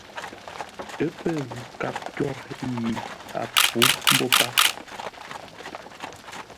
Ə́ pə̂ nkâp twôr yi a pfǔ mbô páp.